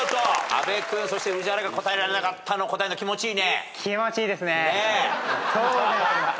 阿部君そして宇治原が答えられなかったの答えるの気持ちいいね。